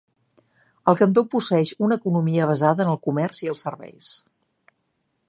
El cantó posseeix una economia basada en el comerç i els serveis.